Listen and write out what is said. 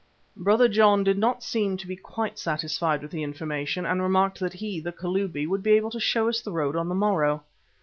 Brother John did not seem to be quite satisfied with the information, and remarked that he, the Kalubi, would be able to show us the road on the morrow.